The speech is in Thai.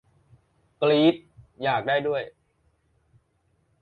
กรี๊ด อยากได้ด้วย